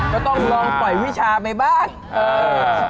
ก็ต้องลองปล่อยวิชาไปบ้างเออ